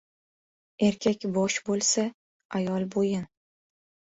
• Erkak bosh bo‘lsa, ayol — bo‘yin.